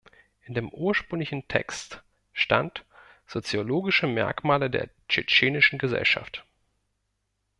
In dem ursprünglichen Text stand "soziologische Merkmale der tschetschenischen Gesellschaft".